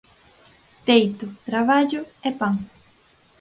Teito, traballo e pan.